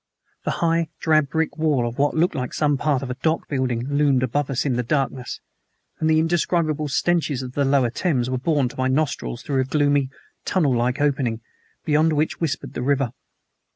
The high, drab brick wall of what looked like some part of a dock building loomed above us in the darkness, and the indescribable stenches of the lower Thames were borne to my nostrils through a gloomy, tunnel like opening, beyond which whispered the river.